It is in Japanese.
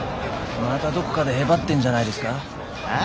またどこかでへばってんじゃないですか？